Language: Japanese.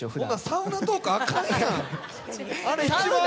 サウナトーク、あかんで。